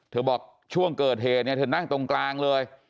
บอกช่วงเกิดเหตุเนี่ยเธอนั่งตรงกลางเลย